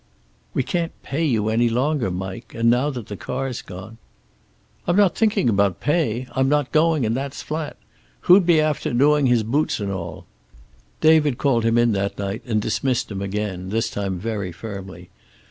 "We can't pay you any longer, Mike. And now that the car's gone " "I'm not thinking about pay. I'm not going, and that's flat. Who'd be after doing his boots and all?" David called him in that night and dismissed him again, this time very firmly.